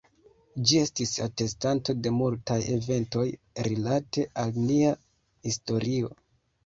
Ĝi estis atestanto de multaj eventoj, rilate al nia historio.